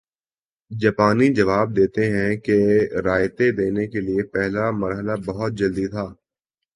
جاپانی جواب دیتے ہیں کہ رعایتیں دینے کے لیے پہلا مرحلہ بہت جلدی تھا